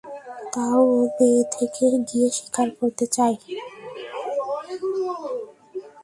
তা ও বে থেকে গিয়ে শিকার করতে চায়।